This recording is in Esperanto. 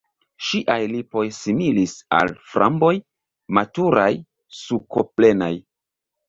Ŝiaj lipoj similis al framboj, maturaj, sukoplenaj.